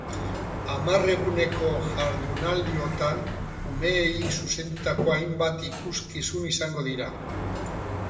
Hamar eguneko jardunaldiotan, umeei zuzendutako hainbat ikuskizun izango dira.